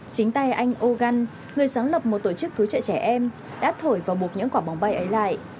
chính tay anh organ người sáng lập một tổ chức cứu trợ trẻ em đã thổi vào buộc những quả bóng bay ấy lại